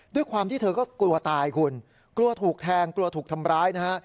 ด้วยความที่เธอก็กลัวตายคุณกลัวถูกแทงกลัวถูกทำร้ายนะฮะ